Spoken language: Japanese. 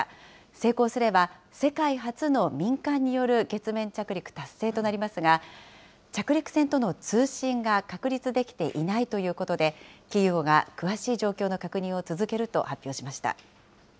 成功すれば、世界初の民間による月面着陸達成となりますが、着陸船との通信が確立できていないということで、企業が詳しい状況の確認を続けると発表しました。